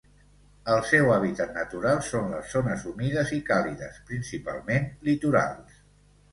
El seu hàbitat natural són les zones humides i càlides, principalment litorals.